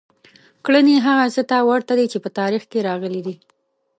کړنې هغه څه ته ورته دي چې په تاریخ کې راغلي دي.